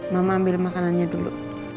mama ambil makanannya dulu